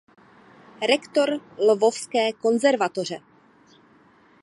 Rektor Lvovské konzervatoře.